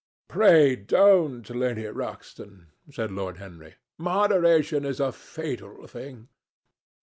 "Pray don't, Lady Ruxton," said Lord Henry. "Moderation is a fatal thing.